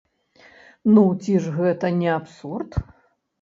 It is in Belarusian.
Ну ці ж гэта не абсурд?!